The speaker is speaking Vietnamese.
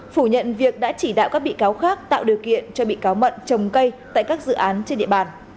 phủ nhận việc đã chỉ đạo các bị cáo khác tạo điều kiện cho bị cáo mận trồng cây tại các dự án trên địa bàn